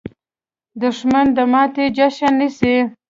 دښمن د ماتې جشن نیسي